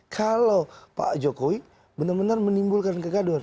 kalau pak jokowi benar benar menimbulkan kegaduhan